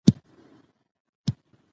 زه د ورځې د پیل لپاره لږه ورزش کوم.